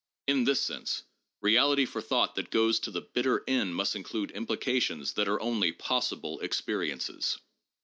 In this sense, reality for thought that goes to the bitter end must include implications that are only 'possible' experiences.